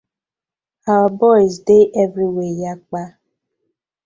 Our boyz dey everywhere yakpa.